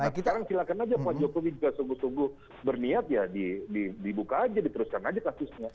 sekarang silakan aja pak jokowi juga sungguh sungguh berniat ya dibuka aja diteruskan aja kasusnya